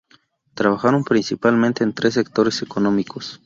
Trabajaron principalmente en tres sectores económicos.